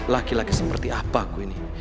laki laki seperti apa aku ini